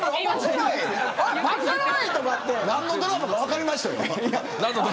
何のドラマか分かりましたよ。